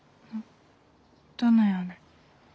どのような？